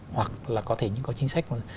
hoặc là có thể những cái chính sách